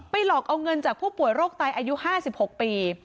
ไปหลอกเอาเงินจากผู้ป่วยโรคไตอายุห้าสิบหกปี